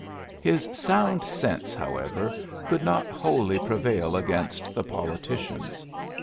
'^ His sound sense^ however, could not wholly prevail against the politicians.